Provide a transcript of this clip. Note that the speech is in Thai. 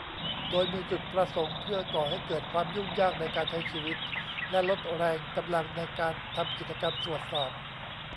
โดยมีจุดประสงค์เพื่อก่อให้เกิดความยุ่งยากในการใช้ชีวิต และลดแรงกำลังในการทำกิจกรรมตรวจสอบ